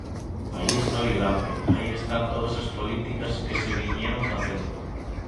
Aí está o Igape, aí están todas as políticas que se viñeron facendo.